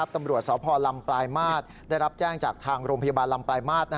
ตำรวจสพลำปลายมาตรได้รับแจ้งจากทางโรงพยาบาลลำปลายมาตร